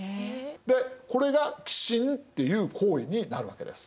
でこれが寄進っていう行為になるわけです。